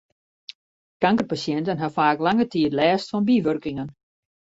Kankerpasjinten ha faak lange tiid lêst fan bywurkingen.